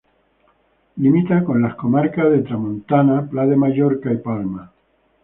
Limita con las comarcas de Tramontana, Pla de Mallorca y Palma.